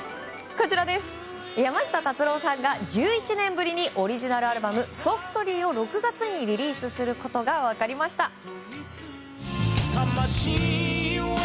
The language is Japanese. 山下達郎さんが１１年ぶりのオリジナルアルバム「ＳＯＦＴＬＹ」を６月にリリースすることが分かりました。